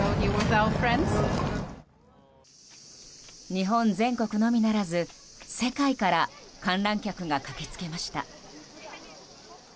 日本全国のみならず世界から観覧客が駆け付けました。